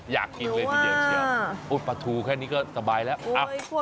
อยากกินเลยทีเดียวเชียวหรือว่าโอ้ยปลาทูแค่นี้ก็สบายแล้ว